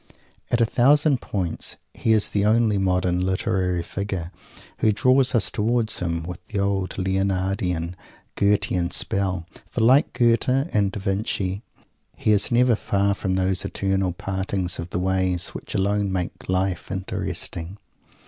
At a thousand points he is the only modern literary figure who draws us towards him with the old Leonardian, Goethean spell. For, like Goethe and Da Vinci, he is never far from those eternal "Partings of the Ways." which alone make life interesting.